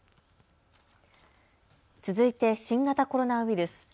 続いて新型コロナウイルス。